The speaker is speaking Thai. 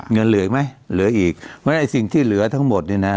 เหลืออีกไหมเหลืออีกเพราะฉะนั้นไอ้สิ่งที่เหลือทั้งหมดเนี่ยนะ